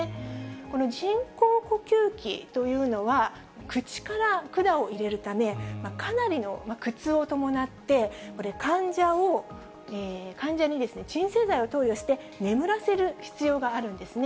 この人工呼吸器というのは、口から管を入れるため、かなりの苦痛を伴って、患者に鎮静剤を投与して、眠らせる必要があるんですね。